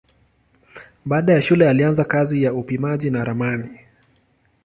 Baada ya shule alianza kazi ya upimaji na ramani.